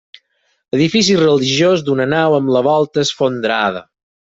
Edifici religiós d'una nau amb la volta esfondrada.